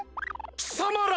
きさまら！